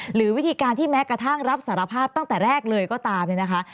หรือวิธีการที่แม้กระทั่งรับสารภาพตั้งแต่แรกเลยก็ตามเนี่ยนะคะ